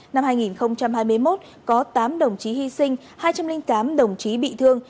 năm hai nghìn hai mươi một có tám đồng chí hy sinh hai trăm linh tám đồng chí bị thương